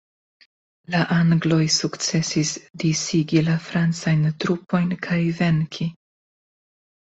La angloj sukcesis disigi la francajn trupojn kaj venki.